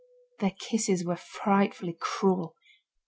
Their kisses were frightfully cruel.